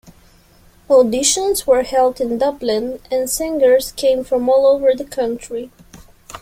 Auditions were held in Dublin and singers came from all over the country.